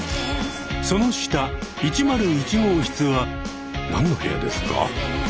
その下１０１号室は何の部屋ですか？